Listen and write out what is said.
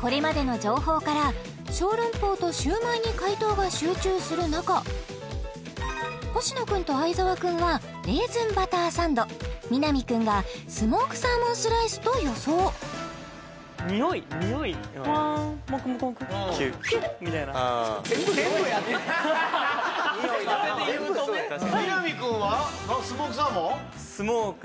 これまでの情報から小籠包と焼売に解答が集中する中星野君と相沢君はレーズンバターサンド南君がスモークサーモンスライスと予想全部やねんそれで言うとねなるほどね